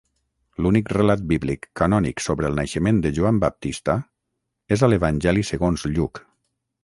L'únic relat bíblic canònic sobre el naixement de Joan Baptista és a l'Evangeli segons Lluc.